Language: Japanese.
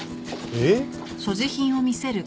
えっ？